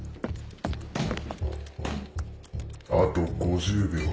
あと５０秒。